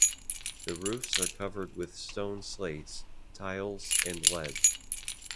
The roofs are covered with stone slates, tiles and lead.